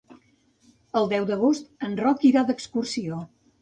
El deu d'agost en Roc irà d'excursió.